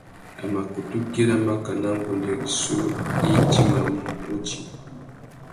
A mà kutu güira makana nguêndê rissú idjimamú udjï.